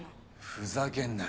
ふざけんな。